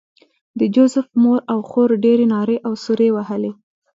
د جوزف مور او خور ډېرې نارې او سورې وهلې